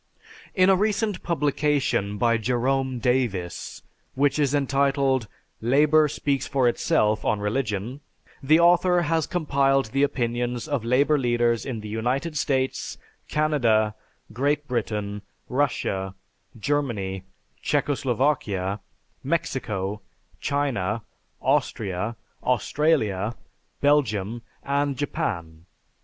In a recent publication by Jerome Davis, which is entitled "Labor Speaks for Itself on Religion," the author has compiled the opinions of labor leaders in the United States, Canada, Great Britain, Russia, Germany, Czechoslovakia, Mexico, China, Austria, Australia, Belgium, and Japan.